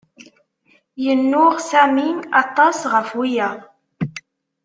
Yennuɣ Sami aṭas ɣef wiyaḍ.